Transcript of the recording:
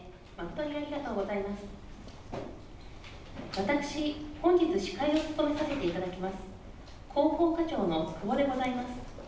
私、本日、司会を務めさせていただきます、広報課長のでございます。